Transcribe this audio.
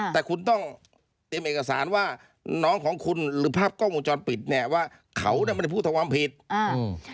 แต่คุณต้องเตรียมเอกสารว่าน้องของคุณหรือภาพกล้องวงจรปิดเนี่ยว่าเขานั้นเป็นผู้ต้องหาวงจรปิด